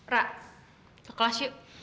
ra ke kelas yuk